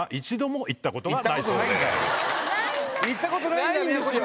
行ったことないんだ⁉宮古島。